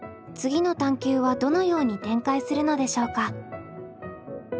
次の探究はどのように展開するのでしょうか？